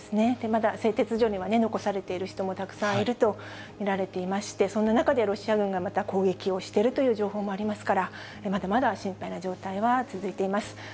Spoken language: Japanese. まだ製鉄所には残されている人もたくさんいると見られていまして、そんな中でロシア軍がまた攻撃をしているという情報もありますから、まだまだ心配な状態は続いています。